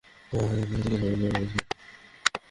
মাস্তানদের সাথে কে জামেলা করে?